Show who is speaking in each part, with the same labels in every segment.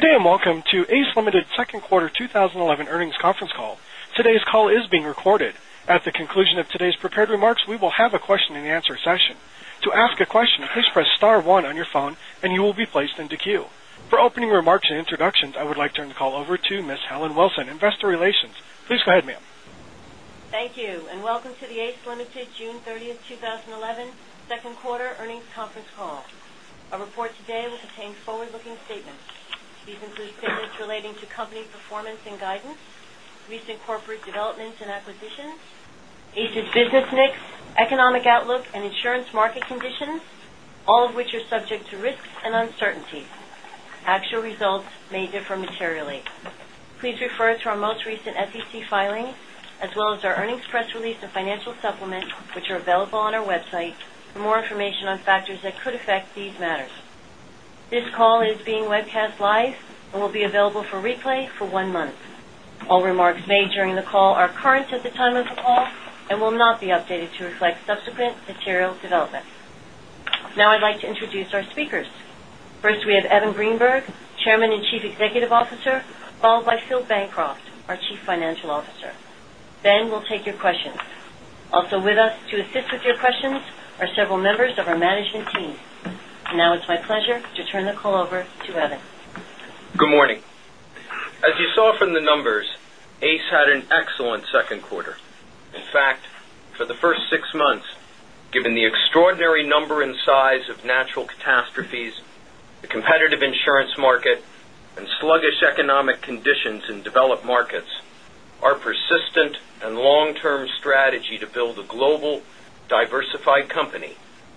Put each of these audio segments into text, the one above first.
Speaker 1: Good day, and welcome to ACE Limited second quarter 2011 earnings conference call. Today's call is being recorded. At the conclusion of today's prepared remarks, we will have a question and answer session. To ask a question, please press star one on your phone and you will be placed into queue. For opening remarks and introductions, I would like to turn the call over to Ms. Karen Beyer, investor relations. Please go ahead, ma'am.
Speaker 2: Thank you, and welcome to the ACE Limited June 30th, 2011 second quarter earnings conference call. Our report today will contain forward-looking statements. These include statements relating to company performance and guidance, recent corporate developments and acquisitions, ACE's business mix, economic outlook, and insurance market conditions, all of which are subject to risks and uncertainties. Actual results may differ materially. Please refer to our most recent SEC filings, as well as our earnings press release and financial supplement, which are available on our website for more information on factors that could affect these matters. This call is being webcast live and will be available for replay for one month. All remarks made during the call are current at the time of the call and will not be updated to reflect subsequent material developments. Now I'd like to introduce our speakers. First, we have Evan Greenberg, Chairman and Chief Executive Officer, followed by Phil Bancroft, our Chief Financial Officer. We'll take your questions. Also with us to assist with your questions are several members of our management team. Now it's my pleasure to turn the call over to Evan.
Speaker 3: Good morning. As you saw from the numbers, ACE had an excellent second quarter. In fact, for the first six months, given the extraordinary number and size of natural catastrophes, the competitive insurance market, and sluggish economic conditions in developed markets, our persistent and long-term strategy to build a global diversified company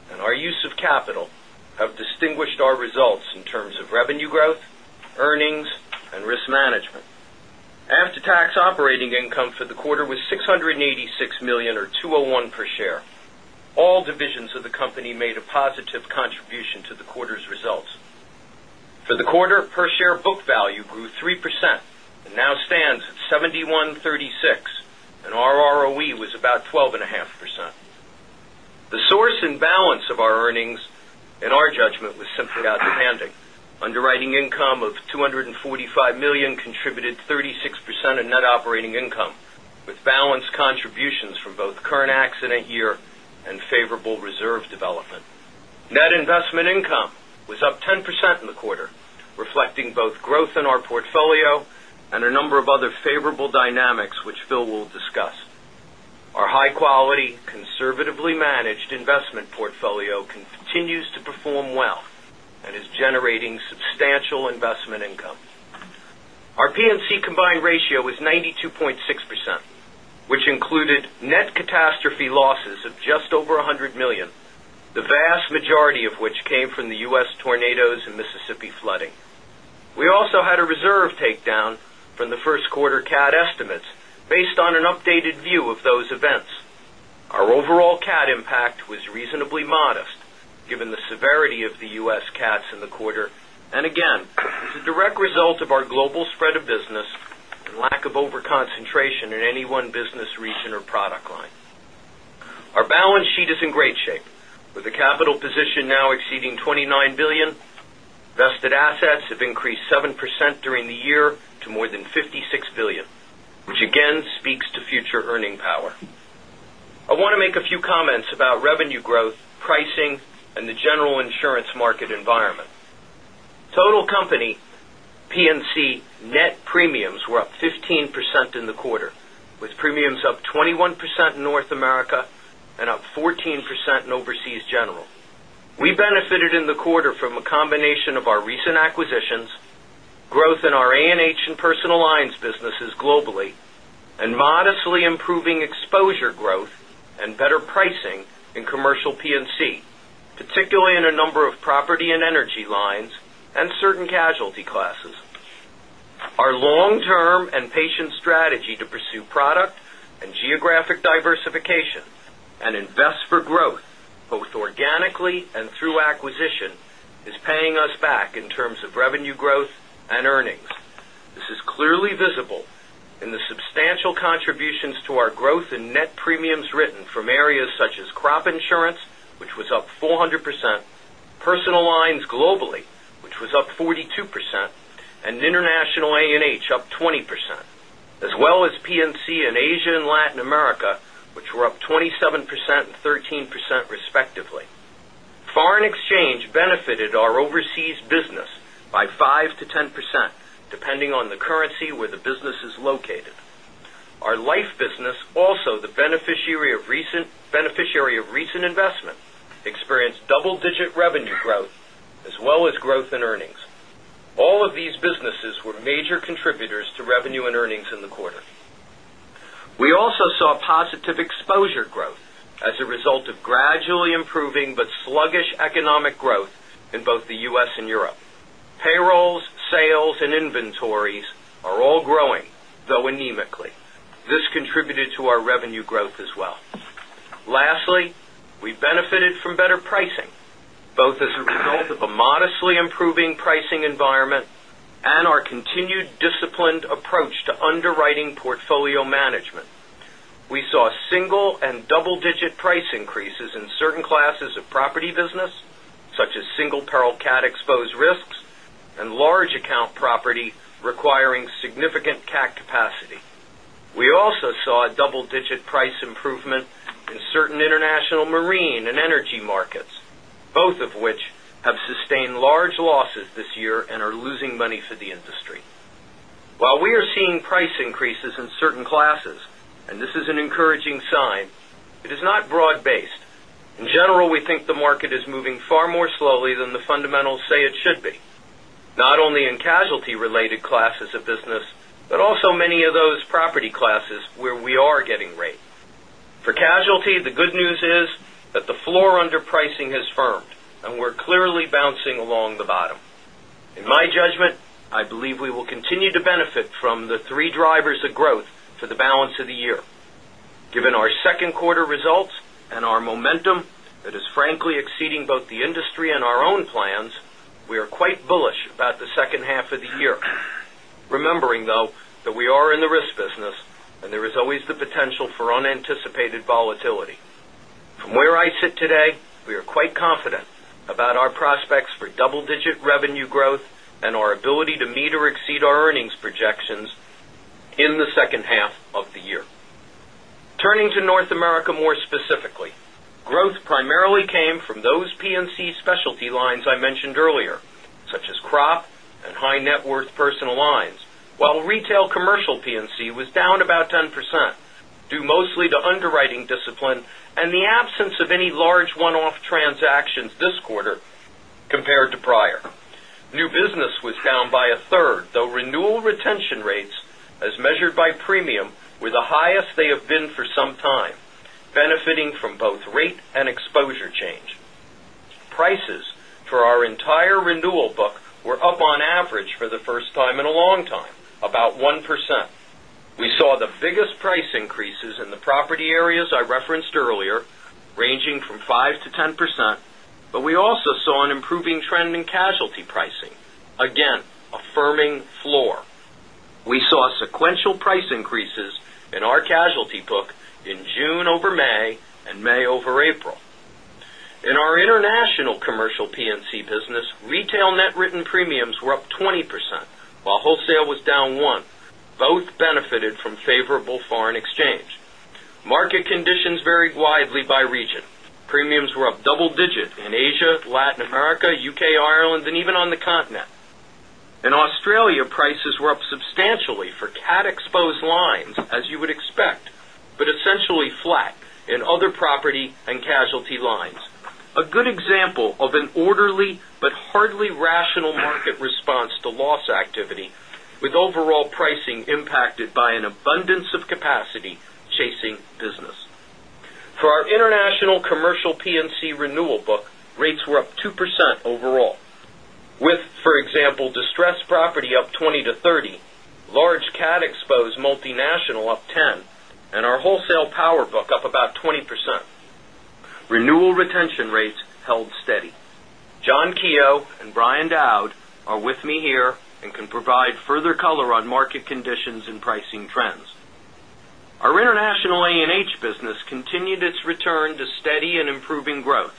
Speaker 3: and our use of capital have distinguished our results in terms of revenue growth, earnings, and risk management. After-tax operating income for the quarter was $686 million, or $2.01 per share. All divisions of the company made a positive contribution to the quarter's results. For the quarter, per-share book value grew 3% and now stands at $71.36, and our ROE was about 12.5%. The source and balance of our earnings, in our judgment, was simply outstanding. Underwriting income of $245 million contributed 36% of net operating income, with balanced contributions from both current accident year and favorable reserve development. Net investment income was up 10% in the quarter, reflecting both growth in our portfolio and a number of other favorable dynamics, which Phil will discuss. Our high-quality, conservatively managed investment portfolio continues to perform well and is generating substantial investment income. Our P&C combined ratio was 92.6%, which included net catastrophe losses of just over $100 million, the vast majority of which came from the U.S. tornadoes and Mississippi flooding. We also had a reserve takedown from the first quarter cat estimates based on an updated view of those events. Our overall cat impact was reasonably modest, given the severity of the U.S. cats in the quarter, and again, it's a direct result of our global spread of business and lack of overconcentration in any one business region or product line. Our balance sheet is in great shape. With a capital position now exceeding $29 billion, invested assets have increased 7% during the year to more than $56 billion, which again speaks to future earning power. I want to make a few comments about revenue growth, pricing, and the general insurance market environment. Total company P&C net premiums were up 15% in the quarter, with premiums up 21% in North America and up 14% in Overseas General. We benefited in the quarter from a combination of our recent acquisitions, growth in our A&H and personal lines businesses globally, and modestly improving exposure growth and better pricing in commercial P&C, particularly in a number of property and energy lines and certain casualty classes. Our long-term and patient strategy to pursue product and geographic diversification and invest for growth, both organically and through acquisition, is paying us back in terms of revenue growth and earnings. This is clearly visible in the substantial contributions to our growth in net premiums written from areas such as crop insurance, which was up 400%, personal lines globally, which was up 42%, and international A&H up 20%, as well as P&C in Asia and Latin America, which were up 27% and 13% respectively. Foreign exchange benefited our overseas business by 5%-10%, depending on the currency where the business is located. Our life business, also the beneficiary of recent investment, experienced double-digit revenue growth as well as growth in earnings. All of these businesses were major contributors to revenue and earnings in the quarter. We also saw positive exposure growth as a result of gradually improving but sluggish economic growth in both the U.S. and Europe. Payrolls, sales, and inventories are all growing, though anemically. This contributed to our revenue growth as well. Lastly, we benefited from better pricing, both as a result of a modestly improving pricing environment and our continued disciplined approach to underwriting portfolio management. We saw single and double-digit price increases in certain classes of property business, such as single peril cat-exposed risks and large account property requiring significant CAT capacity. We also saw a double-digit price improvement in certain international marine and energy markets, both of which have sustained large losses this year and are losing money for the industry. While we are seeing price increases in certain classes, and this is an encouraging sign, it is not broad-based. In general, we think the market is moving far more slowly than the fundamentals say it should be, not only in casualty-related classes of business, but also many of those property classes where we are getting rate. For casualty, the good news is that the floor underpricing has firmed, and we're clearly bouncing along the bottom. In my judgment, I believe we will continue to benefit from the three drivers of growth for the balance of the year. Given our second quarter results and our momentum, that is frankly exceeding both the industry and our own plans, we are quite bullish about the second half of the year. Remembering, though, that we are in the risk business, and there is always the potential for unanticipated volatility. From where I sit today, we are quite confident about our prospects for double-digit revenue growth and our ability to meet or exceed our earnings projections in the second half of the year. Turning to North America more specifically, growth primarily came from those P&C specialty lines I mentioned earlier, such as crop and high net worth personal lines, while retail commercial P&C was down about 10%, due mostly to underwriting discipline and the absence of any large one-off transactions this quarter compared to prior. New business was down by a third, though renewal retention rates, as measured by premium, were the highest they have been for some time, benefiting from both rate and exposure change. Prices for our entire renewal book were up on average for the first time in a long time, about 1%. We saw the biggest price increases in the property areas I referenced earlier, ranging from 5%-10%, but we also saw an improving trend in casualty pricing. Again, a firming floor. We saw sequential price increases in our casualty book in June over May and May over April. In our international commercial P&C business, retail net written premiums were up 20%, while wholesale was down 1%. Both benefited from favorable foreign exchange. Market conditions varied widely by region. Premiums were up double digits in Asia, Latin America, U.K., Ireland, and even on the continent. In Australia, prices were up substantially for cat-exposed lines, as you would expect, but essentially flat in other property and casualty lines. A good example of an orderly but hardly rational market response to loss activity, with overall pricing impacted by an abundance of capacity chasing business. For our international commercial P&C renewal book, rates were up 2% overall, with, for example, distressed property up 20%-30%, large cat exposed multinational up 10%, and our wholesale power book up about 20%. Renewal retention rates held steady. John Keogh and Brian Dowd are with me here and can provide further color on market conditions and pricing trends. Our international A&H business continued its return to steady and improving growth,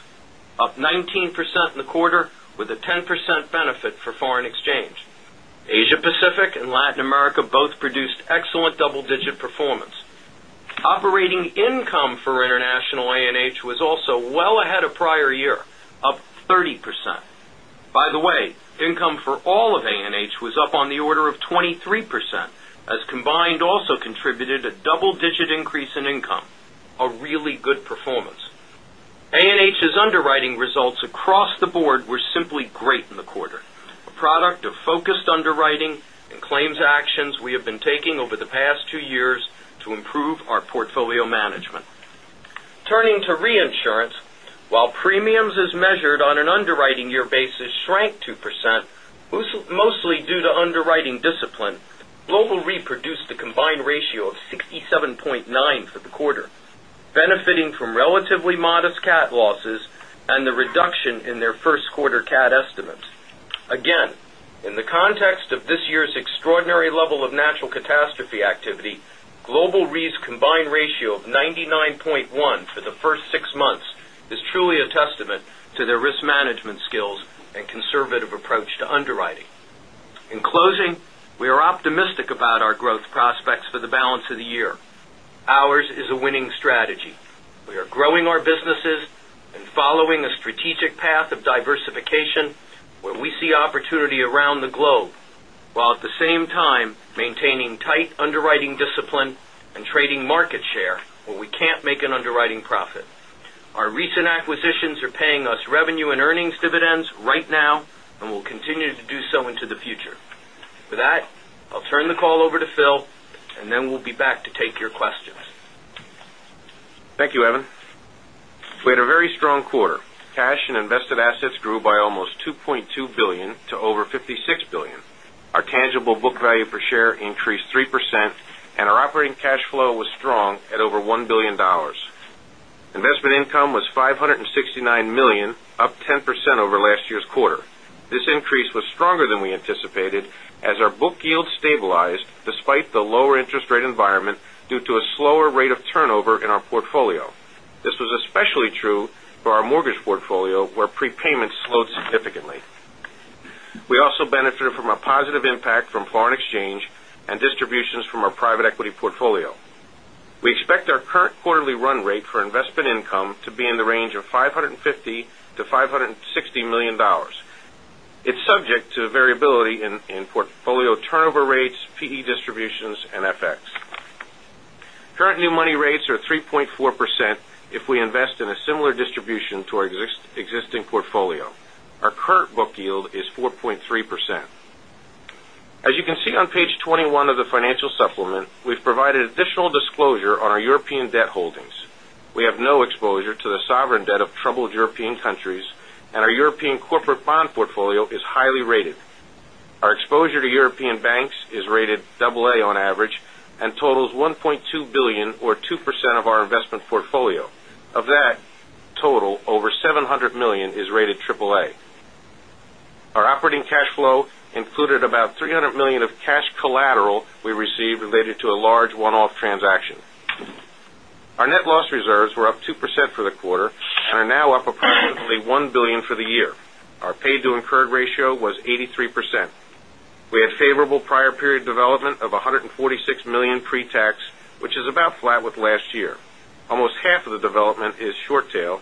Speaker 3: up 19% in the quarter with a 10% benefit for foreign exchange. Asia-Pacific and Latin America both produced excellent double-digit performance. Operating income for international A&H was also well ahead of prior year, up 30%. By the way, income for all of A&H was up on the order of 23%, as Combined also contributed a double-digit increase in income. A really good performance. A&H's underwriting results across the board were simply great in the quarter, a product of focused underwriting and claims actions we have been taking over the past two years to improve our portfolio management. Turning to reinsurance, while premiums as measured on an underwriting year basis shrank 2%, mostly due to underwriting discipline, Global Re produced a combined ratio of 67.9 for the quarter, benefiting from relatively modest CAT losses and the reduction in their first quarter CAT estimates. Again, in the context of this year's extraordinary level of natural catastrophe activity, Global Re's combined ratio of 99.1 for the first six months is truly a testament to their risk management skills and conservative approach to underwriting. In closing, we are optimistic about our growth prospects for the balance of the year. Ours is a winning strategy. We are growing our businesses and following a strategic path of diversification where we see opportunity around the globe, while at the same time maintaining tight underwriting discipline and trading market share where we can't make an underwriting profit. Our recent acquisitions are paying us revenue and earnings dividends right now and will continue to do so into the future. For that, I'll turn the call over to Phil, and then we'll be back to take your questions.
Speaker 4: Thank you, Evan. We had a very strong quarter. Cash and invested assets grew by almost $2.2 billion to over $56 billion. Our tangible book value per share increased 3% and our operating cash flow was strong at over $1 billion. Investment income was $569 million, up 10%. This increase was stronger than we anticipated as our book yield stabilized despite the lower interest rate environment due to a slower rate of turnover in our portfolio. This was especially true for our mortgage portfolio, where prepayment slowed significantly. We also benefited from a positive impact from foreign exchange and distributions from our private equity portfolio. We expect our current quarterly run rate for investment income to be in the range of $550 million-$560 million. It's subject to variability in portfolio turnover rates, PE distributions, and FX. Current new money rates are 3.4% if we invest in a similar distribution to our existing portfolio. Our current book yield is 4.3%. As you can see on page 21 of the financial supplement, we've provided additional disclosure on our European debt holdings. We have no exposure to the sovereign debt of troubled European countries, and our European corporate bond portfolio is highly rated. Our exposure to European banks is rated double A on average and totals $1.2 billion or 2% of our investment portfolio. Of that total, over $700 million is rated triple A. Our operating cash flow included about $300 million of cash collateral we received related to a large one-off transaction. Our net loss reserves were up 2% for the quarter and are now up approximately $1 billion for the year. Our pay to incurred ratio was 83%. We had favorable prior period development of $146 million pre-tax, which is about flat with last year. Almost half of the development is short tail,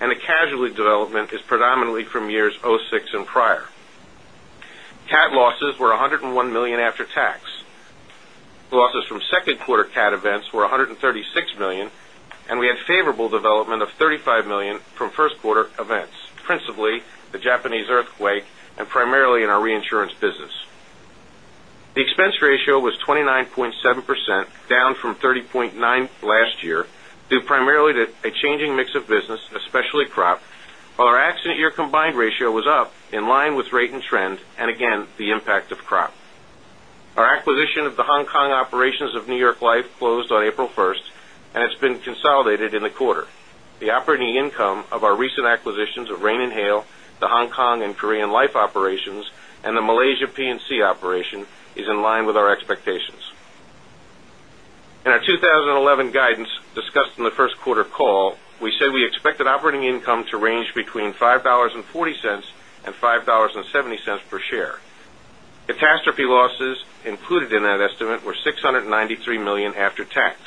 Speaker 4: and the casualty development is predominantly from years 2006 and prior. Cat losses were $101 million after tax. Losses from second quarter cat events were $136 million, and we had favorable development of $35 million from first quarter events, principally the Japanese earthquake and primarily in our reinsurance business. The expense ratio was 29.7%, down from 30.9% last year, due primarily to a changing mix of business, especially crop. Our accident year combined ratio was up in line with rate and trend, and again, the impact of crop. Our acquisition of the Hong Kong operations of New York Life closed on April 1st and has been consolidated in the quarter. The operating income of our recent acquisitions of Rain and Hail, the Hong Kong and Korean life operations, and the Malaysia P&C operation is in line with our expectations. In our 2011 guidance discussed in the first quarter call, we said we expected operating income to range between $5.40 and $5.70 per share. Catastrophe losses included in that estimate were $693 million after tax.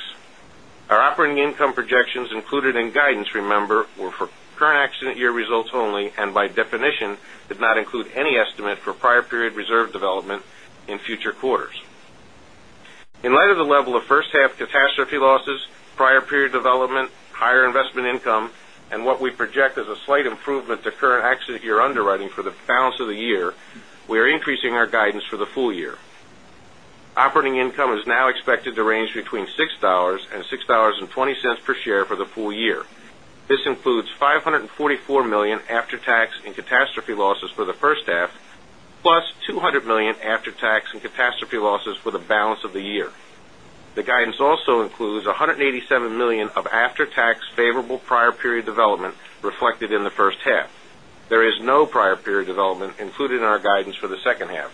Speaker 4: Our operating income projections included in guidance, remember, were for current accident year results only. By definition, did not include any estimate for prior period reserve development in future quarters. In light of the level of first half catastrophe losses, prior period development, higher investment income, and what we project as a slight improvement to current accident year underwriting for the balance of the year, we are increasing our guidance for the full year. Operating income is now expected to range between $6 and $6.20 per share for the full year. This includes $544 million after-tax and catastrophe losses for the first half, plus $200 million after-tax and catastrophe losses for the balance of the year. The guidance also includes $187 million of after-tax favorable prior period development reflected in the first half. There is no prior period development included in our guidance for the second half.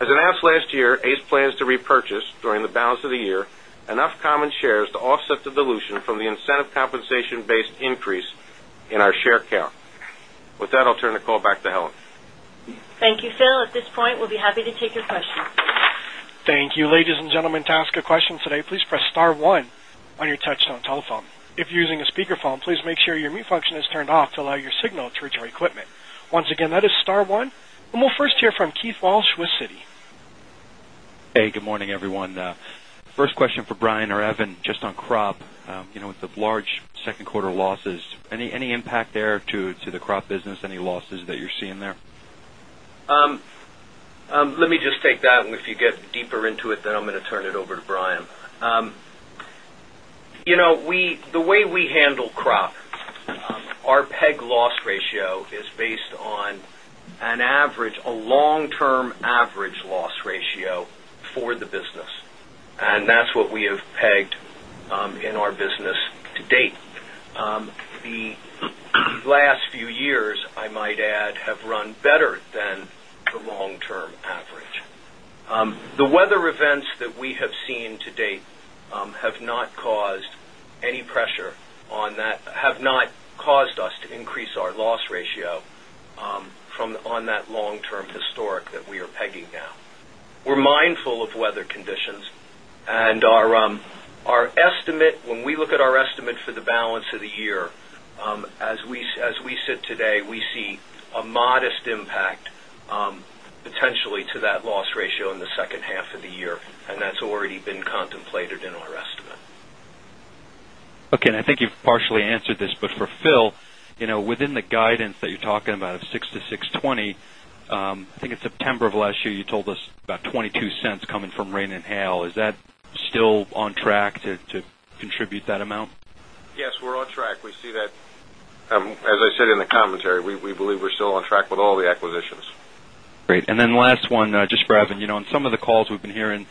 Speaker 4: As announced last year, ACE plans to repurchase during the balance of the year enough common shares to offset the dilution from the incentive compensation-based increase in our share count. With that, I'll turn the call back to Helen.
Speaker 2: Thank you, Phil. At this point, we'll be happy to take your questions.
Speaker 1: Thank you. Ladies and gentlemen, to ask a question today, please press star one on your touchtone telephone. If you're using a speakerphone, please make sure your mute function is turned off to allow your signal through to our equipment. Once again, that is star one, we'll first hear from Keith Walsh with Citi.
Speaker 5: Hey, good morning, everyone. First question for Brian or Evan, just on crop. With the large second quarter losses, any impact there to the crop business? Any losses that you're seeing there?
Speaker 4: Let me just take that. If you get deeper into it, I'm going to turn it over to Brian. The way we handle crop, our peg loss ratio is based on a long-term average loss ratio for the business, that's what we have pegged in our business to date. The last few years, I might add, have run better than the long-term average. The weather events that we have seen to date have not caused us to increase our loss ratio on that long-term historic that we are pegging now. We're mindful of weather conditions. When we look at our estimate for the balance of the year, as we sit today, we see a modest impact potentially to that loss ratio in the second half of the year, that's already been contemplated in our estimate.
Speaker 5: Okay. I think you've partially answered this, for Phil, within the guidance that you're talking about of $6-$6.20, I think in September of last year, you told us about $0.22 coming from Rain and Hail. Is that still on track to contribute that amount?
Speaker 4: Yes, we're on track. As I said in the commentary, we believe we're still on track with all the acquisitions.
Speaker 5: Great. Last one, just for Evan. On some of the calls we've been hearing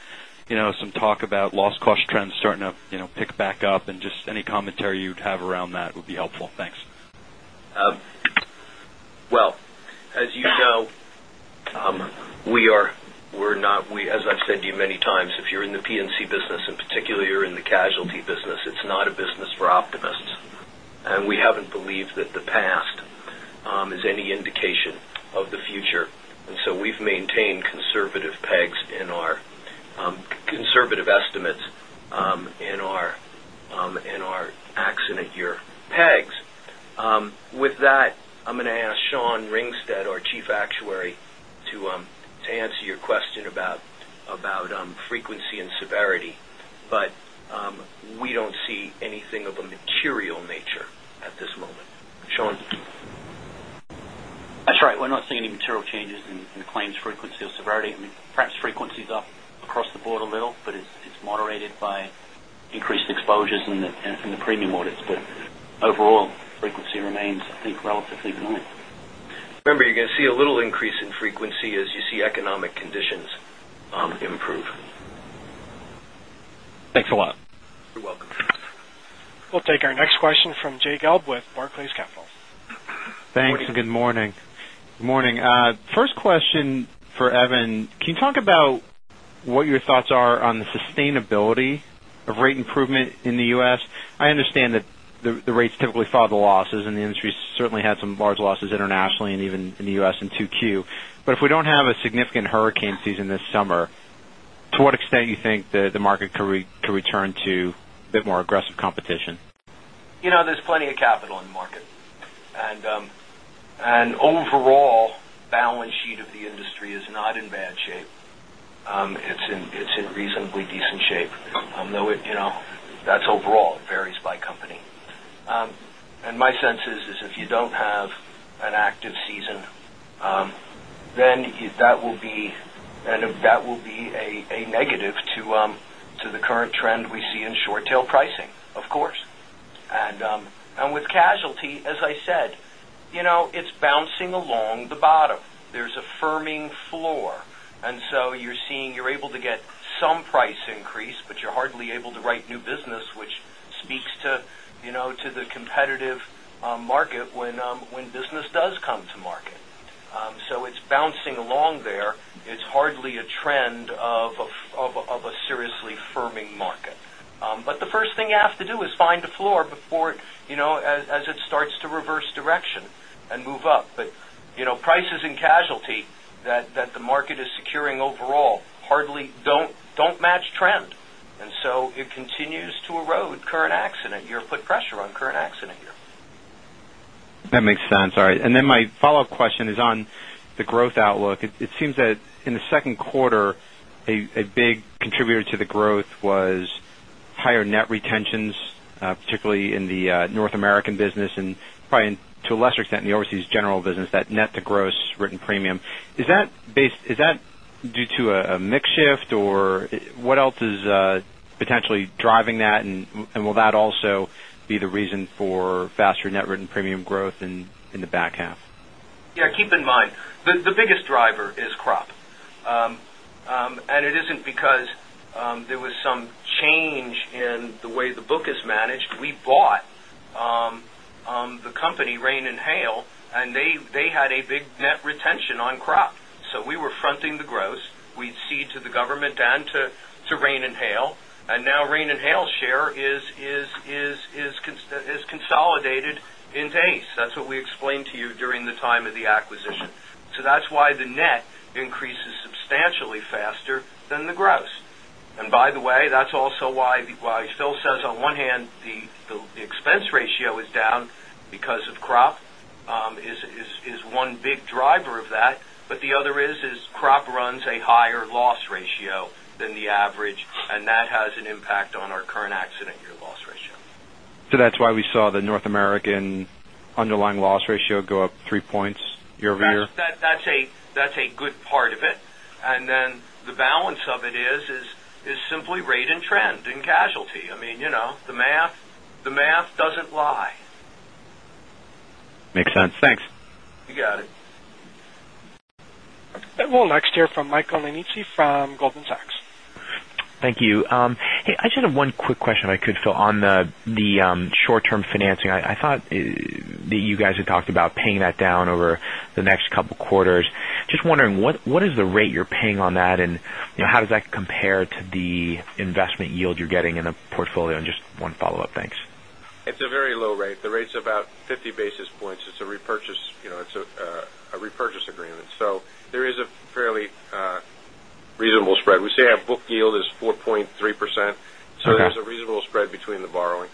Speaker 5: some talk about loss cost trends starting to pick back up and just any commentary you'd have around that would be helpful. Thanks.
Speaker 3: Well, as you know, as I've said to you many times, if you're in the P&C business, in particular, you're in the casualty business, it's not a business for optimists. We haven't believed that the past is any indication of the future. We've maintained conservative pegs in our conservative estimates, in our accident year pegs. With that, I'm going to ask Sean Ringsted, our Chief Actuary, to answer your question about frequency and severity. We don't see anything of a material nature at this moment. Sean?
Speaker 6: That's right. We're not seeing any material changes in claims frequency or severity. Perhaps frequency is up across the board a little, but it's moderated by increased exposures in the premium audits. Overall, frequency remains, I think, relatively benign.
Speaker 3: Remember, you're going to see a little increase in frequency as you see economic conditions improve.
Speaker 5: Thanks a lot.
Speaker 3: You're welcome.
Speaker 1: We'll take our next question from Jay Gelb with Barclays Capital.
Speaker 7: Thanks, and good morning.
Speaker 3: Good morning.
Speaker 7: First question for Evan. Can you talk about what your thoughts are on the sustainability of rate improvement in the U.S.? I understand that the rates typically follow the losses, and the industry's certainly had some large losses internationally and even in the U.S. in 2Q. If we don't have a significant hurricane season this summer, to what extent you think the market could return to a bit more aggressive competition?
Speaker 3: There's plenty of capital in the market, and overall balance sheet of the industry is not in bad shape. It's in reasonably decent shape. That's overall, varies by company. My sense is if you don't have an active season, that will be a negative to the current trend we see in short tail pricing, of course. With casualty, as I said, it's bouncing along the bottom. There's a firming floor. You're seeing you're able to get some price increase, but you're hardly able to write new business, which speaks to the competitive market when business does come to market. It's bouncing along there. It's hardly a trend of a seriously firming market. The first thing you have to do is find a floor before as it starts to reverse direction and move up. prices in casualty that the market is securing overall hardly don't match trend. It continues to erode current accident year, put pressure on current accident year.
Speaker 7: That makes sense. All right. My follow-up question is on the growth outlook. It seems that in the second quarter, a big contributor to the growth was higher net retentions, particularly in the North American business and probably to a lesser extent in the Overseas General business, that net to gross written premium. Is that due to a mix shift, or what else is potentially driving that, and will that also be the reason for faster net written premium growth in the back half?
Speaker 3: Keep in mind, the biggest driver is crop. It isn't because there was some change in the way the book is managed. We bought the company Rain and Hail, and they had a big net retention on crop. We were fronting the gross. We'd cede to the government and to Rain and Hail, and now Rain and Hail's share is consolidated into ACE. That's what we explained to you during the time of the acquisition. That's why the net increases substantially faster than the gross. By the way, that's also why Phil says, on one hand, the expense ratio is down because of crop, is one big driver of that. The other is crop runs a higher loss ratio than the average, and that has an impact on our current accident year loss ratio.
Speaker 7: That's why we saw the North American underlying loss ratio go up three points year-over-year?
Speaker 3: That's a good part of it. The balance of it is simply rate and trend in casualty. The math doesn't lie.
Speaker 7: Makes sense. Thanks.
Speaker 3: You got it.
Speaker 1: We'll next hear from Michael Nannizzi from Goldman Sachs.
Speaker 8: Thank you. Hey, I just have one quick question if I could, Phil, on the short-term financing. I thought that you guys had talked about paying that down over the next couple of quarters. Just wondering, what is the rate you're paying on that, and how does that compare to the investment yield you're getting in the portfolio? Just one follow-up. Thanks.
Speaker 4: It's a very low rate. The rate's about 50 basis points. It's a repurchase agreement. There is a fairly reasonable spread. We say our book yield is 4.3%.
Speaker 8: Okay.
Speaker 3: There's a reasonable spread between the borrowing.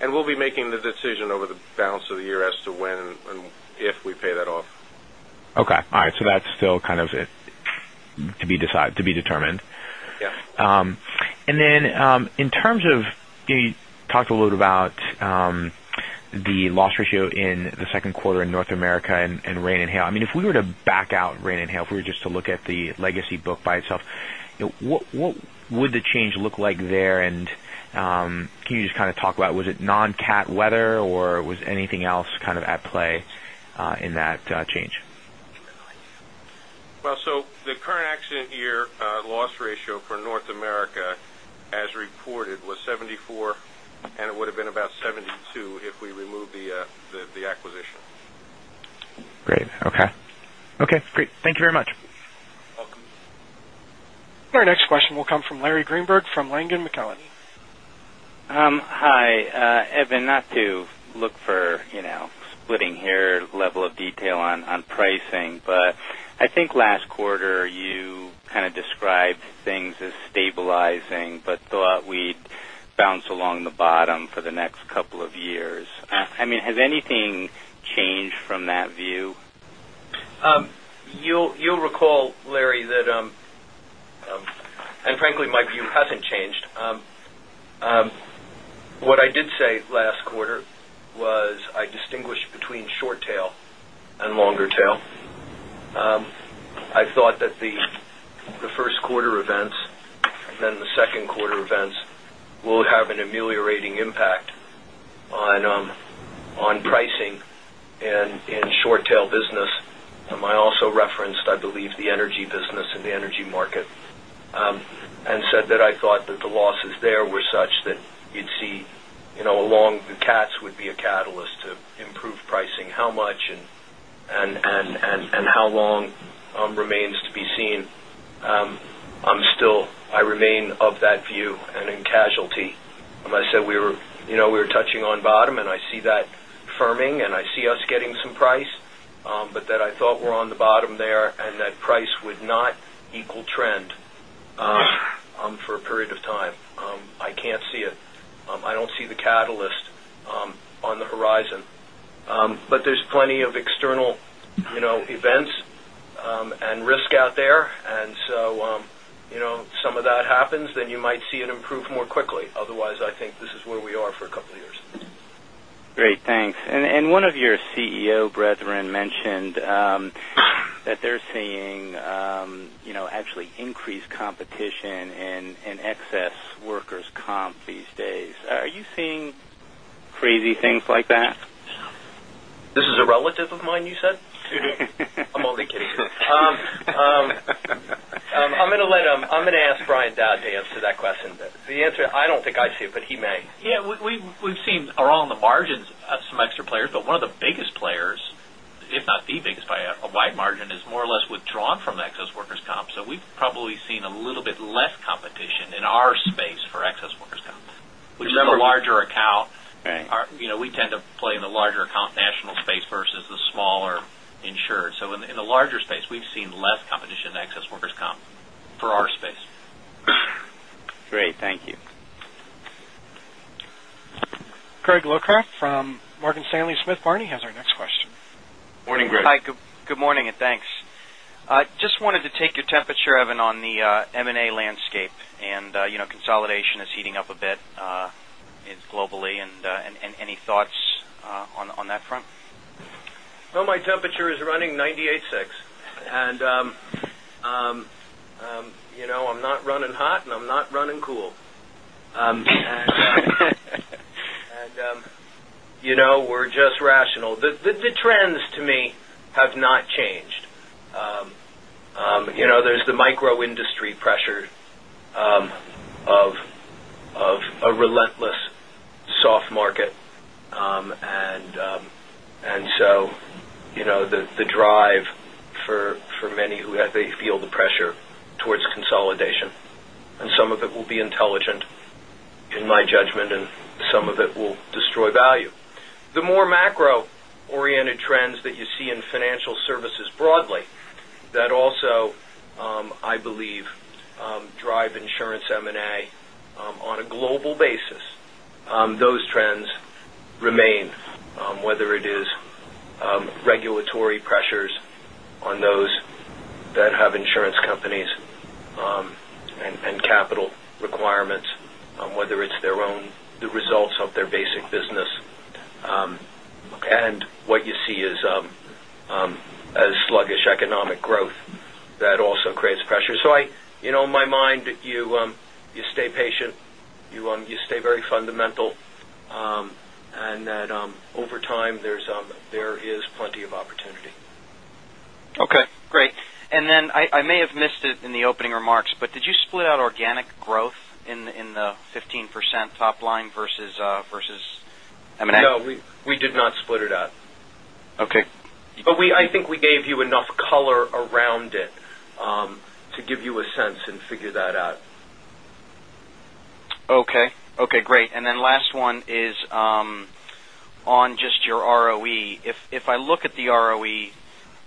Speaker 3: We'll be making the decision over the balance of the year as to when and if we pay that off.
Speaker 8: Okay. All right. That's still kind of to be determined.
Speaker 3: Yes.
Speaker 8: In terms of, you talked a little about the loss ratio in the second quarter in North America and Rain and Hail. If we were to back out Rain and Hail, if we were just to look at the legacy book by itself, what would the change look like there? Can you just kind of talk about, was it non-cat weather or was anything else kind of at play in that change?
Speaker 3: The current accident year loss ratio for North America as reported was 74, and it would've been about 72 if we remove the acquisition.
Speaker 8: Great, okay. Okay, great. Thank you very much.
Speaker 3: Welcome.
Speaker 1: Our next question will come from Larry Greenberg from Langen McAlenney.
Speaker 9: Hi, Evan, not to look for splitting hair level of detail on pricing, but I think last quarter you kind of described things as stabilizing, but thought we'd bounce along the bottom for the next couple of years. Has anything changed from that view?
Speaker 3: You'll recall, Larry, frankly, my view hasn't changed. What I did say last quarter was I distinguished between short tail and longer tail. I thought that the first quarter events and then the second quarter events will have an ameliorating impact on pricing and in short tail business. I also referenced, I believe, the energy business and the energy market, and said that I thought that the losses there were such that you'd see along the cats would be a catalyst to improve pricing. How much and how long remains to be seen. I remain of that view and in casualty. I said we were touching on bottom, and I see that firming, and I see us getting some price. That I thought we're on the bottom there and that price would not equal trend for a period of time. I can't see it. I don't see the catalyst on the horizon. There's plenty of external events and risk out there. If some of that happens, then you might see it improve more quickly. Otherwise, I think this is where we are for a couple of years.
Speaker 9: Great, thanks. One of your CEO brethren mentioned that they're seeing actually increased competition in excess workers' comp these days. Are you seeing crazy things like that?
Speaker 3: This is a relative of mine, you said? I'm only kidding. I'm going to ask Brian Dowd to answer that question. The answer, I don't think I see it, but he may.
Speaker 10: Yeah, we've seen around the margins some extra players, one of the biggest players, if not the biggest by a wide margin, is more or less withdrawn from excess workers' comp. We've probably seen a little bit less competition in our space for excess workers' comp. We have a larger account.
Speaker 9: Right.
Speaker 10: We tend to play in the larger account national space versus the smaller insured. In the larger space, we've seen less competition in excess workers' comp for our space.
Speaker 9: Great, thank you.
Speaker 1: Greg Locraft from Morgan Stanley Smith Barney has our next question.
Speaker 3: Morning, Greg.
Speaker 11: Hi, good morning, and thanks. Just wanted to take your temperature, Evan, on the M&A landscape. Consolidation is heating up a bit globally. Any thoughts on that front?
Speaker 3: Well, my temperature is running 98.6. I'm not running hot and I'm not running cool. We're just rational. The trends to me have not changed. There's the micro industry pressure of a relentless soft market. The drive for many who feel the pressure towards consolidation, and some of it will be intelligent in my judgment, and some of it will destroy value. The more macro-oriented trends that you see in financial services broadly that also, I believe, drive insurance M&A on a global basis, those trends remain whether it is regulatory pressures on those that have insurance companies and capital requirements, whether it's their own, the results of their basic business. What you see is a sluggish economic growth that also creates pressure. In my mind, you stay patient, you stay very fundamental. That over time, there is plenty of opportunity.
Speaker 11: Okay, great. I may have missed it in the opening remarks, but did you split out organic growth in the 15% top line versus M&A?
Speaker 3: No, we did not split it out.
Speaker 11: Okay.
Speaker 3: I think we gave you enough color around it to give you a sense and figure that out.
Speaker 11: Okay. Okay, great. Last one is on just your ROE. If I look at the ROE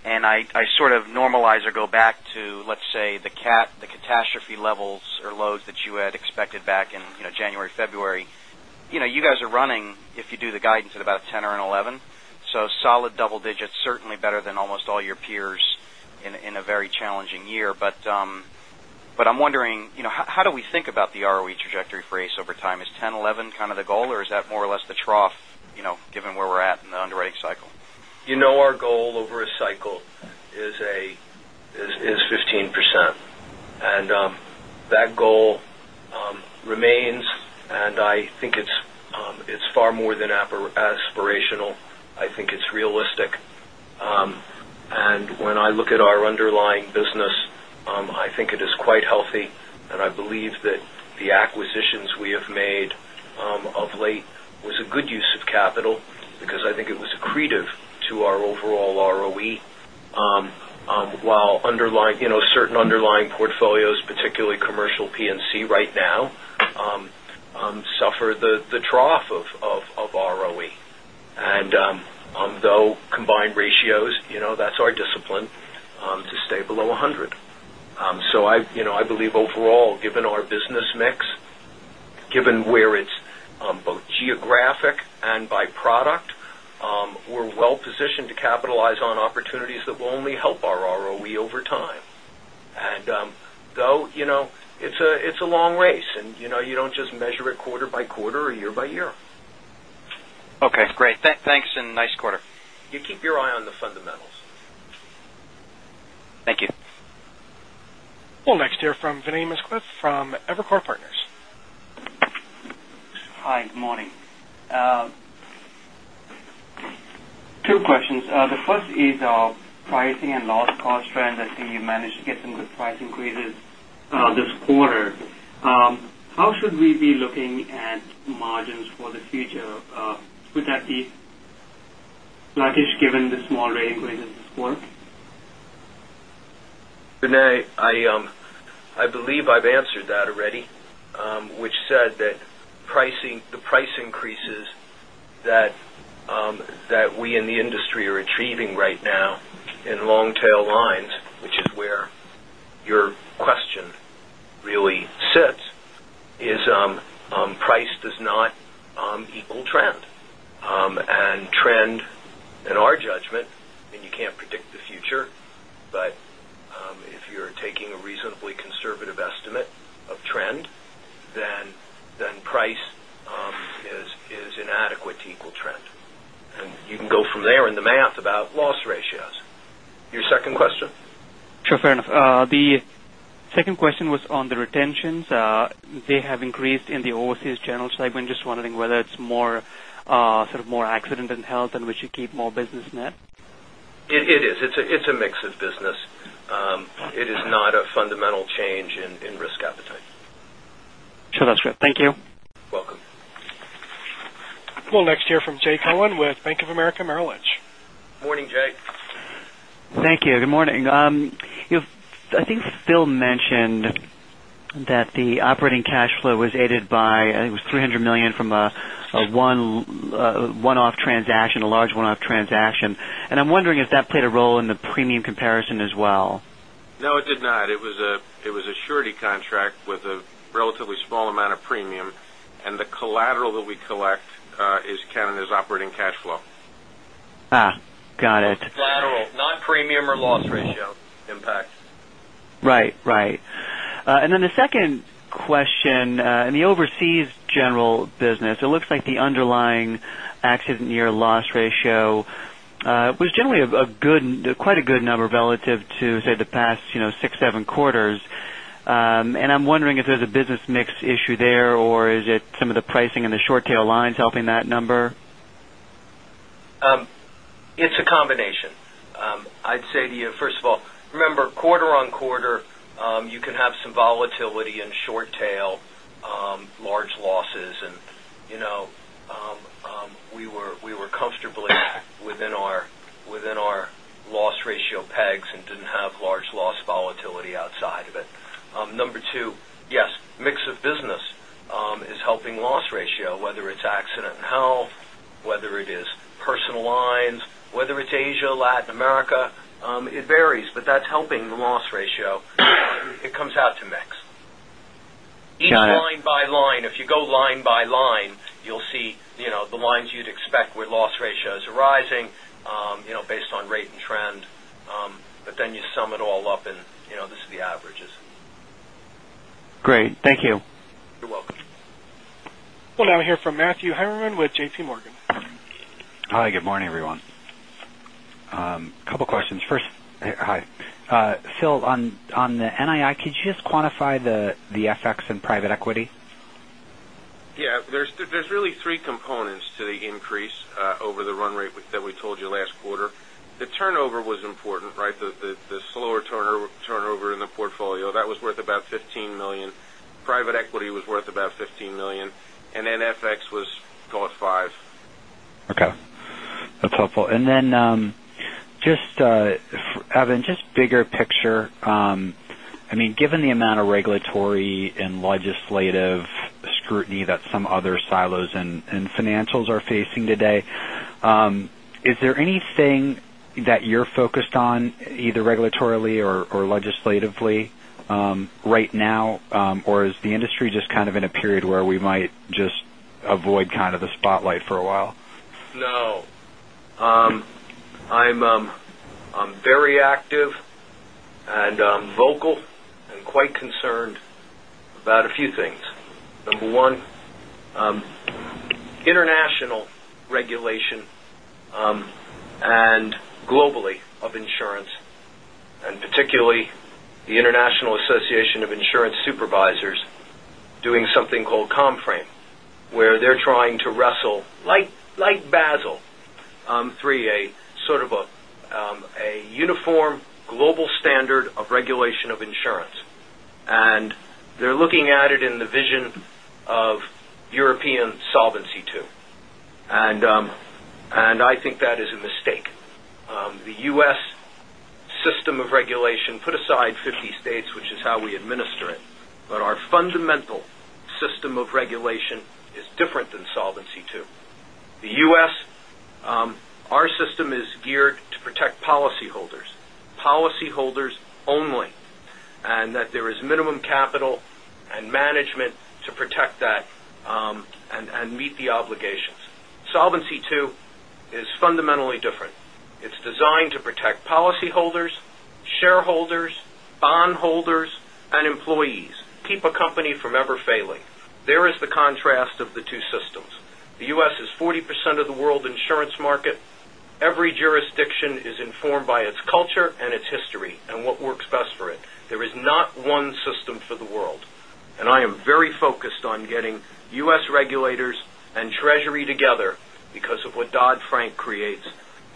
Speaker 11: and I sort of normalize or go back to, let's say, the cat, the catastrophe levels or loads that you had expected back in January, February. You guys are running, if you do the guidance at about a 10 or an 11, so solid double digits, certainly better than almost all your peers in a very challenging year. I'm wondering, how do we think about the ROE trajectory for ACE over time? Is 10, 11 kind of the goal, or is that more or less the trough given where we're at in the underwriting cycle?
Speaker 3: You know our goal over a cycle is 15%, that goal remains, I think it's far more than aspirational. I think it's realistic. When I look at our underlying business, I think it is quite healthy, and I believe that the acquisitions we have made of late was a good use of capital because I think it was accretive to our overall ROE. While certain underlying portfolios, particularly commercial P&C right now, suffer the trough of ROE. Though combined ratios, that's our discipline to stay below 100. I believe overall, given our business mix, given where it's both geographic and by product, we're well-positioned to capitalize on opportunities that will only help our ROE over time. Though it's a long race and you don't just measure it quarter by quarter or year by year.
Speaker 11: Okay, great. Thanks, nice quarter.
Speaker 3: You keep your eye on the fundamentals.
Speaker 11: Thank you.
Speaker 1: Well, next here from Vinay Misquith from Evercore Partners.
Speaker 12: Hi, good morning. Two questions. The first is pricing and loss cost trend. I think you managed to get some good price increases this quarter. How should we be looking at margins for the future? Could that be flattish given the small rate increases this quarter?
Speaker 3: Vinay, I believe I've answered that already, which said that the price increases that we in the industry are achieving right now in long-tail lines, which is where your question really sits, is price does not equal trend. Trend, in our judgment, and you can't predict the future, but if you're taking a reasonably conservative estimate of trend, then price is inadequate to equal trend. You can go from there in the math about loss ratios. Your second question?
Speaker 12: Sure, fair enough. The second question was on the retentions. They have increased in the Overseas General segment. Just wondering whether it's more accident in health in which you keep more business net?
Speaker 3: It is. It's a mix of business. It is not a fundamental change in risk appetite.
Speaker 12: Sure, that's great. Thank you.
Speaker 3: Welcome.
Speaker 1: Well, next here from Jay Cohen with Bank of America Merrill Lynch.
Speaker 3: Morning, Jay.
Speaker 13: Thank you. Good morning. I think Phil mentioned that the operating cash flow was aided by, I think it was $300 million from a large one-off transaction. I'm wondering if that played a role in the premium comparison as well.
Speaker 3: No, it did not. It was a surety contract with a relatively small amount of premium, and the collateral that we collect is counted as operating cash flow.
Speaker 13: Got it.
Speaker 3: Collateral, not premium or loss ratio impact.
Speaker 13: Right. The second question. In the Overseas General business, it looks like the underlying accident year loss ratio was generally quite a good number relative to, say, the past six, seven quarters. I'm wondering if there's a business mix issue there, or is it some of the pricing in the short-tail lines helping that number?
Speaker 3: It's a combination. I'd say to you, first of all, remember, quarter-on-quarter, you can have some volatility in short tail, large losses, we were comfortably within our loss ratio pegs and didn't have large loss volatility outside of it. Number 2, yes, mix of business is helping loss ratio, whether it's accident and health, whether it is personal lines, whether it's Asia, Latin America, it varies, that's helping the loss ratio. It comes out to mix.
Speaker 13: Got it.
Speaker 3: Each line by line, if you go line by line, you'll see the lines you'd expect where loss ratio is rising based on rate and trend. You sum it all up, this is the averages.
Speaker 13: Great. Thank you.
Speaker 3: You're welcome.
Speaker 1: We'll now hear from Matthew Heimermann with J.P. Morgan.
Speaker 14: Hi, good morning, everyone. Couple of questions. First, hi. Phil, on the NII, could you just quantify the FX and private equity?
Speaker 4: Yeah. There's really three components to the increase over the run rate that we told you last quarter. The turnover was important, right? The slower turnover in the portfolio, that was worth about $15 million. Private equity was worth about $15 million, and then FX caused five.
Speaker 14: Okay. That's helpful. Then, Evan, just bigger picture, given the amount of regulatory and legislative scrutiny that some other silos and financials are facing today, is there anything that you're focused on, either regulatorily or legislatively right now? Or is the industry just kind of in a period where we might just avoid the spotlight for a while?
Speaker 3: No. I'm very active vocal and quite concerned about a few things. Number one, international regulation and globally of insurance, and particularly the International Association of Insurance Supervisors doing something called ComFrame. They're trying to wrestle, like Basel III, a sort of a uniform global standard of regulation of insurance. They're looking at it in the vision of European Solvency II. I think that is a mistake. The U.S. system of regulation, put aside 50 states, which is how we administer it, but our fundamental system of regulation is different than Solvency II. The U.S., our system is geared to protect policyholders. Policyholders only. That there is minimum capital and management to protect that and meet the obligations. Solvency II is fundamentally different. It's designed to protect policyholders, shareholders, bondholders, and employees keep a company from ever failing. There is the contrast of the two systems. The U.S. is 40% of the world insurance market. Every jurisdiction is informed by its culture and its history and what works best for it. There is not one system for the world. I am very focused on getting U.S. regulators and Treasury together because of what Dodd-Frank creates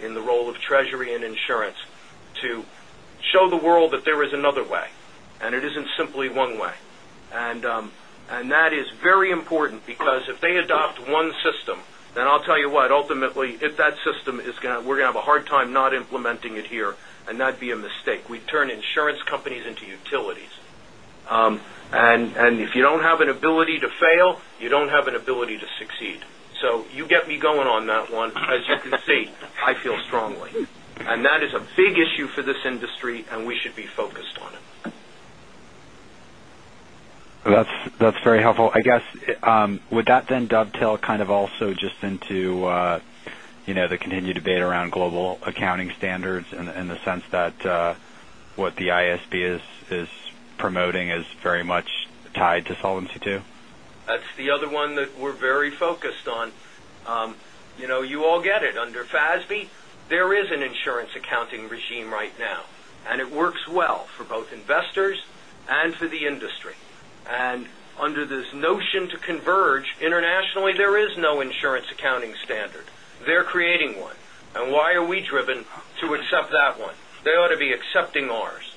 Speaker 3: in the role of Treasury and insurance to show the world that there is another way, and it isn't simply one way. That is very important because if they adopt one system, I'll tell you what, ultimately, if that system is going to, we're going to have a hard time not implementing it here, and that'd be a mistake. We turn insurance companies into utilities. If you don't have an ability to fail, you don't have an ability to succeed. You get me going on that one. As you can see, I feel strongly. That is a big issue for this industry, and we should be focused on it.
Speaker 14: That's very helpful. I guess, would that then dovetail kind of also just into the continued debate around global accounting standards in the sense that what the IASB is promoting is very much tied to Solvency II?
Speaker 3: That's the other one that we're very focused on. You all get it. Under FASB, there is an insurance accounting regime right now, and it works well for both investors and for the industry. Under this notion to converge internationally, there is no insurance accounting standard. They're creating one. Why are we driven to accept that one? They ought to be accepting ours.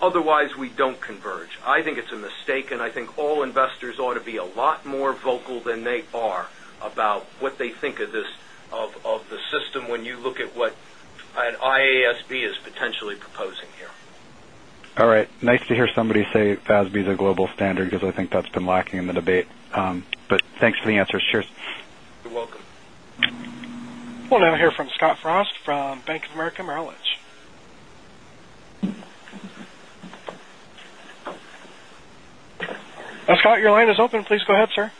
Speaker 3: Otherwise, we don't converge. I think it's a mistake, and I think all investors ought to be a lot more vocal than they are about what they think of the system when you look at what an IASB is potentially proposing here.
Speaker 14: All right. Nice to hear somebody say FASB is a global standard because I think that's been lacking in the debate. Thanks for the answers. Cheers.
Speaker 3: You're welcome.
Speaker 1: We'll now hear from Scott Frost from Bank of America Merrill Lynch. Scott, your line is open. Please go ahead, sir.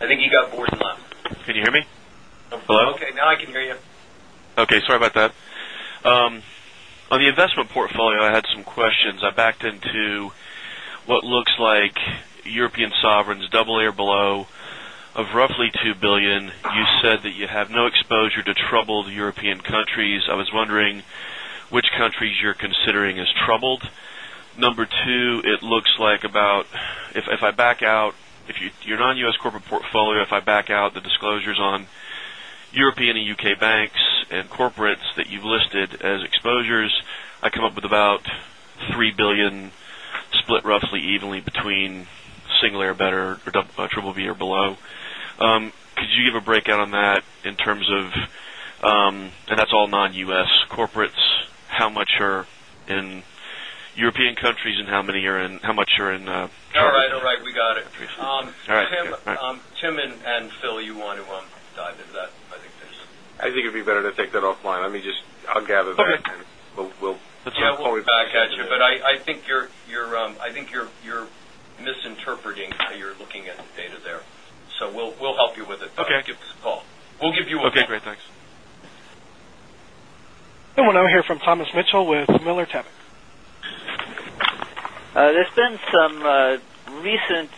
Speaker 3: I think you got Borislow Insurance.
Speaker 15: Can you hear me? Hello?
Speaker 1: Okay, now I can hear you.
Speaker 15: Okay. Sorry about that. On the investment portfolio, I had some questions. I backed into what looks like European sovereigns, AA or below of roughly $2 billion. You said that you have no exposure to troubled European countries. I was wondering which countries you're considering as troubled. Number two, it looks like about, if I back out your non-U.S. corporate portfolio, if I back out the disclosures on European and U.K. banks and corporates that you've listed as exposures, I come up with about $3 billion split roughly evenly between A or better or BBB or below. Could you give a breakout on that in terms of, and that's all non-U.S. corporates, how much are in European countries and how much are in-
Speaker 3: All right, we got it.
Speaker 15: All right.
Speaker 3: Tim and Phil, you want to dive into that?
Speaker 4: I think it'd be better to take that offline. Let me just, I'll gather that.
Speaker 3: Yeah, we'll back at you. I think you're misinterpreting how you're looking at the data there. We'll help you with it.
Speaker 15: Okay.
Speaker 3: Give us a call. We'll give you a call.
Speaker 15: Okay, great. Thanks.
Speaker 1: Now we'll hear from Thomas Mitchell with Miller Tabak.
Speaker 16: There's been some recent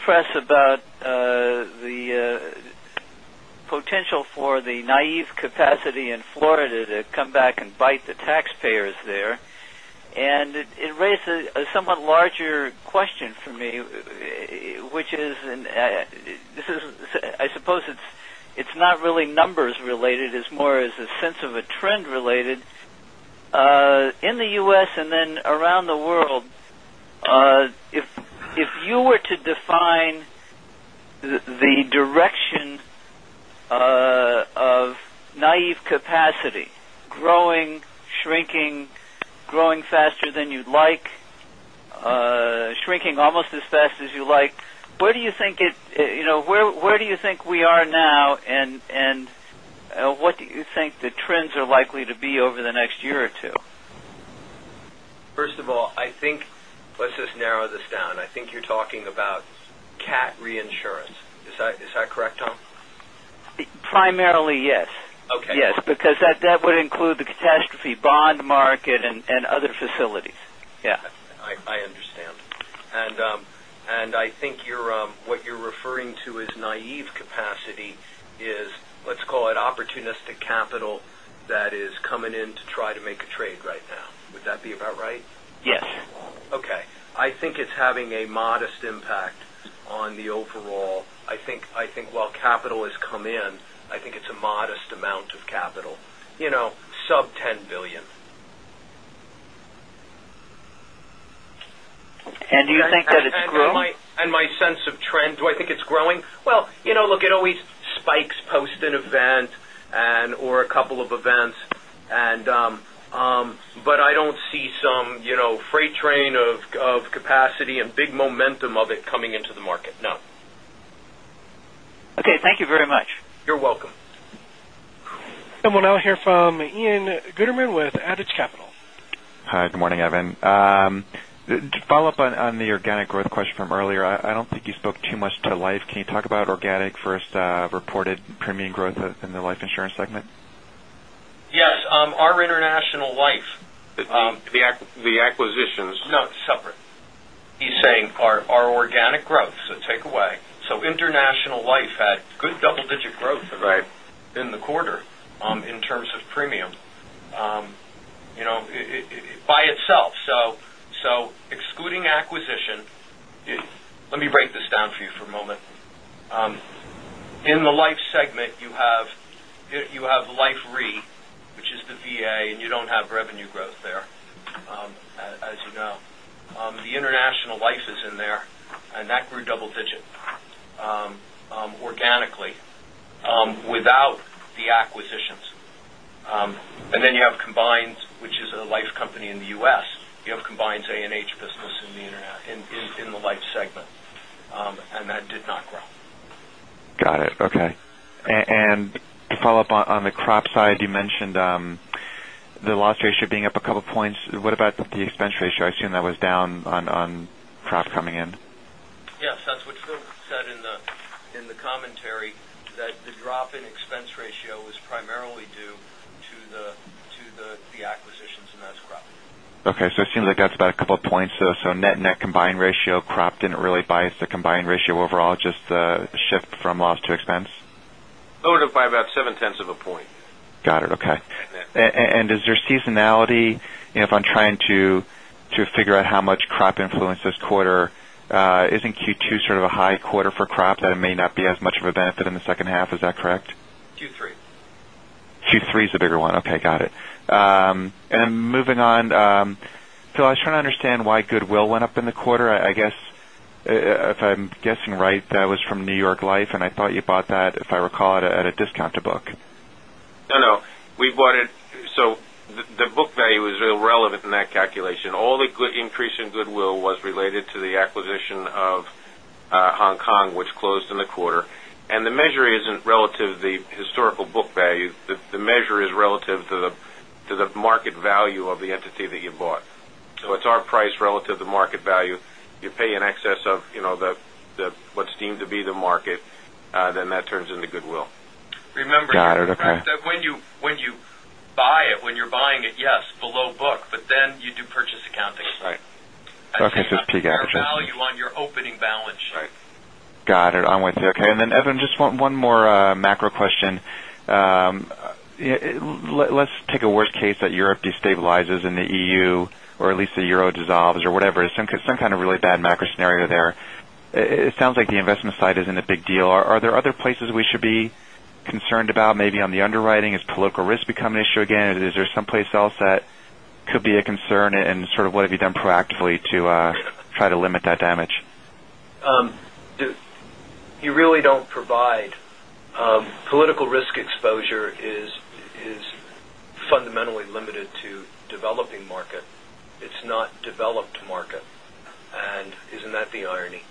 Speaker 16: press about the potential for the naive capacity in Florida to come back and bite the taxpayers there. It raises a somewhat larger question for me, which is, and I suppose it's not really numbers related, it's more as a sense of a trend related. In the U.S. and then around the world, if you were to define the direction of naive capacity growing, shrinking, growing faster than you'd like, shrinking almost as fast as you like, where do you think we are now, and what do you think the trends are likely to be over the next year or two?
Speaker 3: I think, let's just narrow this down. I think you're talking about cat reinsurance. Is that correct, Tom?
Speaker 16: Primarily, yes.
Speaker 3: Okay.
Speaker 16: Yes, because that would include the catastrophe bond market and other facilities. Yeah.
Speaker 3: I understand. I think what you're referring to is naive capacity is, let's call it opportunistic capital that is coming in to try to make a trade right now. Would that be about right?
Speaker 16: Yes.
Speaker 3: Okay. I think it's having a modest impact on the overall. I think while capital has come in, I think it's a modest amount of capital. Sub-$10 billion.
Speaker 16: Do you think that it's grown?
Speaker 3: My sense of trend, do I think it's growing? Well, look, it always spikes post an event or a couple of events, but I don't see some freight train of capacity and big momentum of it coming into the market. No.
Speaker 16: Okay. Thank you very much.
Speaker 3: You're welcome.
Speaker 1: We'll now hear from Ian Gutterman with Adage Capital.
Speaker 17: Hi. Good morning, Evan. To follow up on the organic growth question from earlier, I don't think you spoke too much to life. Can you talk about organic first reported premium growth in the life insurance segment?
Speaker 3: Yes, our international life-
Speaker 4: The acquisitions.
Speaker 3: No. Separate. He's saying our organic growth, take away. International life had good double-digit growth.
Speaker 4: Right
Speaker 3: In the quarter in terms of premium by itself. Excluding acquisitions, let me break this down for you for a moment. In the life segment, you have Life Re, which is the VA, and you don't have revenue growth there, as you know. The international life is in there, and that grew double-digit organically without the acquisitions. Then you have Combined, which is a life company in the U.S. You have Combined A&H business in the life segment, and that did not grow.
Speaker 17: Got it. Okay. To follow up on the crop side, you mentioned the loss ratio being up a couple points. What about the expense ratio? I assume that was down on crop coming in.
Speaker 3: Yes, that's what Phil said in the commentary that the drop in expense ratio was primarily due to the acquisitions, and that's crop.
Speaker 17: It seems like that's about a couple of points. Net combined ratio crop didn't really bias the combined ratio overall, just the shift from loss to expense.
Speaker 3: Lowered it by about seven tenths of a point.
Speaker 17: Got it. Okay.
Speaker 3: Net, net.
Speaker 17: Is there seasonality if I'm trying to figure out how much crop influenced this quarter? Isn't Q2 sort of a high quarter for crop that it may not be as much of a benefit in the second half? Is that correct?
Speaker 3: Q3.
Speaker 17: Q3 is the bigger one. Okay, got it. Moving on. Phil, I was trying to understand why goodwill went up in the quarter. I guess, if I'm guessing right, that was from New York Life, and I thought you bought that, if I recall it, at a discount to book.
Speaker 4: No, no. The book value is irrelevant in that calculation. All the increase in goodwill was related to the acquisition of Hong Kong, which closed in the quarter. The measure isn't relative to the historical book value. The measure is relative to the market value of the entity that you bought. It's our price relative to market value. You pay in excess of what's deemed to be the market, that turns into goodwill.
Speaker 3: Remember-
Speaker 17: Got it. Okay
Speaker 3: When you buy it, when you're buying it, yes, below book, but then you do purchase accounting.
Speaker 4: Right.
Speaker 17: Okay. It's [peak action].
Speaker 3: Value on your opening balance sheet.
Speaker 4: Right.
Speaker 17: Got it. Okay. Evan, just one more macro question. Let's take a worst case that Europe destabilizes in the EU, or at least the euro dissolves or whatever. Some kind of really bad macro scenario there. It sounds like the investment side isn't a big deal. Are there other places we should be concerned about? Maybe on the underwriting, has political risk become an issue again? Is there someplace else that could be a concern and sort of what have you done proactively to try to limit that damage?
Speaker 3: You really don't provide. Political risk exposure is fundamentally limited to developing market. It's not developed market. Isn't that the irony?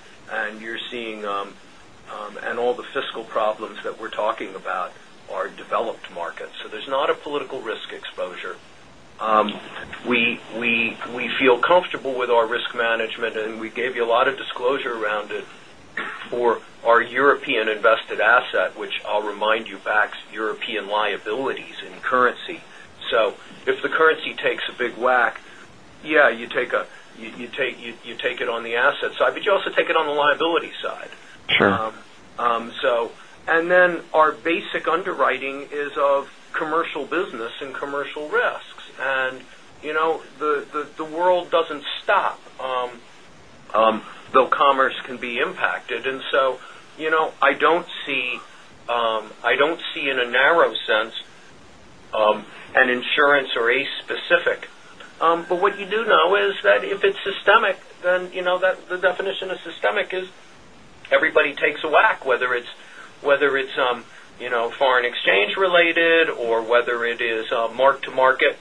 Speaker 3: All the fiscal problems that we're talking about are developed markets. There's not a political risk exposure. We feel comfortable with our risk management, and we gave you a lot of disclosure around it for our European invested asset, which I'll remind you backs European liabilities in currency. If the currency takes a big whack, yeah, you take it on the asset side, but you also take it on the liability side.
Speaker 17: Sure.
Speaker 3: Our basic underwriting is of commercial business and commercial risks. The world doesn't stop, though commerce can be impacted. I don't see in a narrow sense an insurance or a specific. What you do know is that if it's systemic, the definition of systemic is everybody takes a whack, whether it's foreign exchange related, or whether it is mark to market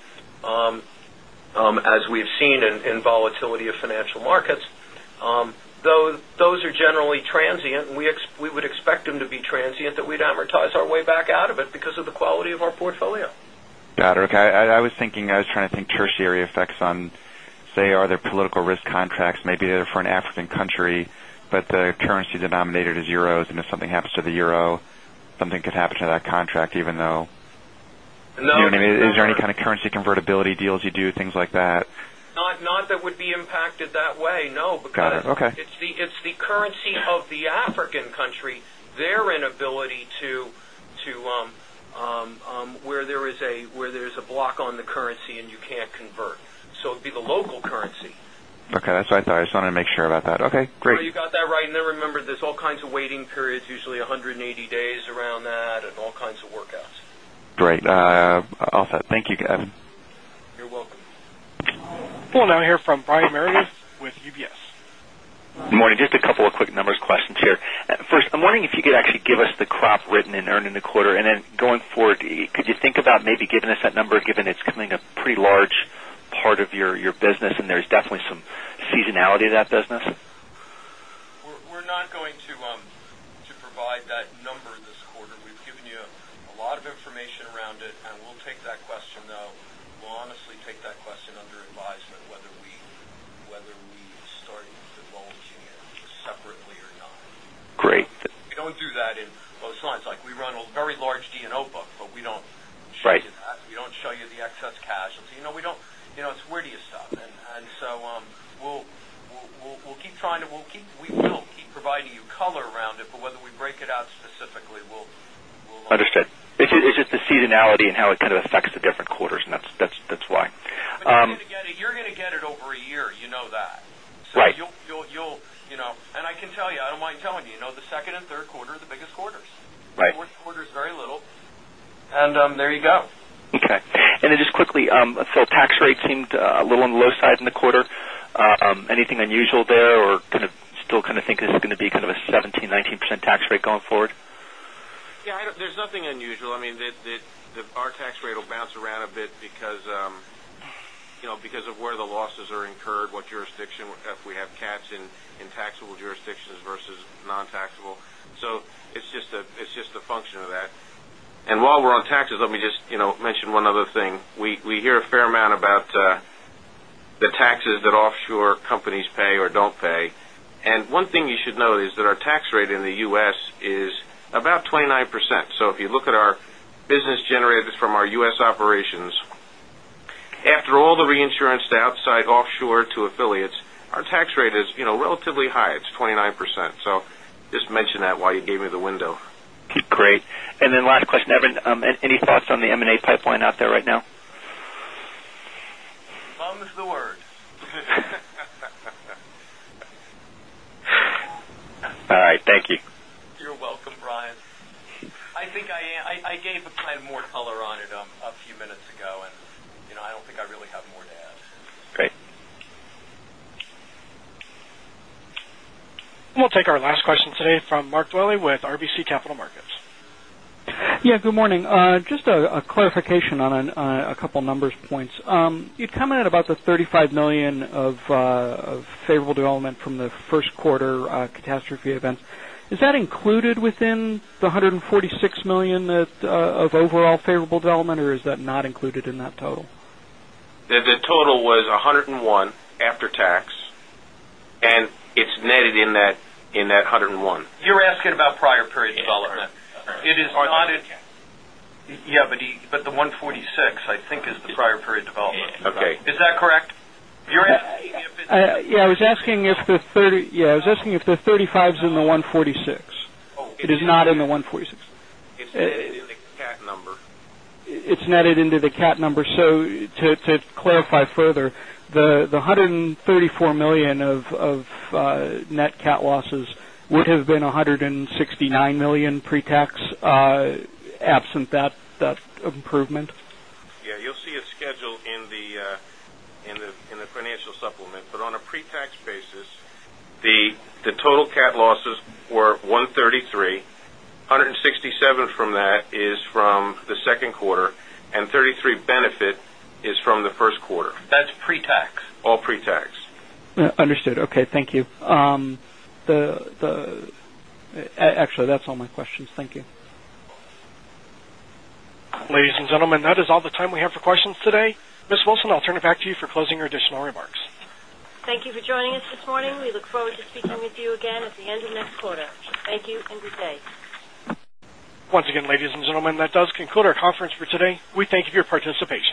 Speaker 3: as we've seen in volatility of financial markets. Those are just
Speaker 18: Transient, we would expect them to be transient, that we'd amortize our way back out of it because of the quality of our portfolio.
Speaker 17: Got it. Okay. I was trying to think tertiary effects on, say, are there political risk contracts, maybe they're for an African country, but they're currency denominated as EUR, and if something happens to the EUR, something could happen to that contract, even though.
Speaker 18: No.
Speaker 17: Do you know what I mean? Is there any kind of currency convertibility deals you do, things like that?
Speaker 18: Not that would be impacted that way, no. Got it. Okay. It's the currency of the African country, their inability to, where there is a block on the currency and you can't convert. It'd be the local currency.
Speaker 17: Okay. That's what I thought. I just wanted to make sure about that. Okay, great.
Speaker 18: No, you got that right. Remember, there's all kinds of waiting periods, usually 180 days around that, and all kinds of workouts.
Speaker 17: Great. All set. Thank you, Evan.
Speaker 18: You're welcome.
Speaker 1: We'll now hear from Brian Meredith with UBS.
Speaker 19: Good morning. Just a couple of quick numbers questions here. First, I'm wondering if you could actually give us the crop written in earning the quarter, and then going forward, could you think about maybe giving us that number, given it's becoming a pretty large part of your business and there's definitely some seasonality to that business?
Speaker 3: We're not going to provide that number this quarter. We've given you a lot of information around it, and we'll take that question, though. We'll honestly take that question under advisement whether we start divulging it separately or not. Great. We don't do that in most lines. We run a very large D&O book, but we don't show you that.
Speaker 19: Right.
Speaker 3: We don't show you the excess casualty. It's where do you stop? We will keep providing you color around it, but whether we break it out specifically.
Speaker 19: Understood. It's just the seasonality and how it kind of affects the different quarters, and that's why.
Speaker 3: You're going to get it over a year, you know that.
Speaker 19: Right.
Speaker 3: I can tell you, I don't mind telling you, the second and third quarter are the biggest quarters.
Speaker 19: Right.
Speaker 3: Fourth quarter is very little. There you go.
Speaker 19: Okay. Just quickly, tax rate seemed a little on the low side in the quarter. Anything unusual there, or still kind of think this is going to be kind of a 17%-19% tax rate going forward?
Speaker 3: Yeah, there's nothing unusual. Our tax rate will bounce around a bit because of where the losses are incurred, what jurisdiction, if we have cats in taxable jurisdictions versus non-taxable. It's just a function of that. While we're on taxes, let me just mention one other thing. We hear a fair amount about the taxes that offshore companies pay or don't pay. One thing you should know is that our tax rate in the U.S. is about 29%. If you look at our business generated from our U.S. operations, after all the reinsurance to outside offshore to affiliates, our tax rate is relatively high. It's 29%. Just mention that while you gave me the window.
Speaker 19: Great. Last question, Evan. Any thoughts on the M&A pipeline out there right now?
Speaker 3: Bum's the word.
Speaker 19: All right. Thank you.
Speaker 3: You're welcome, Brian. I think I gave more color on it a few minutes ago, and I don't think I really have more to add.
Speaker 19: Great.
Speaker 1: We'll take our last question today from Mark Dwelle with RBC Capital Markets.
Speaker 20: Yeah, good morning. Just a clarification on a couple numbers points. You'd commented about the $35 million of favorable development from the first quarter catastrophe event. Is that included within the $146 million of overall favorable development, or is that not included in that total?
Speaker 3: The total was $101 after tax, it's netted in that $101. You're asking about prior period development.
Speaker 20: Yes.
Speaker 3: It is not.
Speaker 20: After cat.
Speaker 3: Yeah, the 146, I think, is the prior period development.
Speaker 20: Yes. Is that correct? You're asking if it's- Yeah, I was asking if the 35 is in the 146.
Speaker 3: Oh.
Speaker 20: It is not in the 146.
Speaker 3: It's netted in the cat number.
Speaker 20: It's netted into the cat number. To clarify further, the $134 million of net cat losses would have been $169 million pre-tax absent that improvement?
Speaker 3: Yeah, you'll see a schedule in the financial supplement. On a pre-tax basis, the total cat losses were $133 million. $167 million from that is from the second quarter, and $33 million benefit is from the first quarter.
Speaker 20: That's pre-tax?
Speaker 3: All pre-tax.
Speaker 20: Understood. Okay. Thank you. Actually, that's all my questions. Thank you.
Speaker 1: Ladies and gentlemen, that is all the time we have for questions today. Ms. Beyer, I'll turn it back to you for closing or additional remarks.
Speaker 2: Thank you for joining us this morning. We look forward to speaking with you again at the end of next quarter. Thank you and good day.
Speaker 1: Once again, ladies and gentlemen, that does conclude our conference for today. We thank you for your participation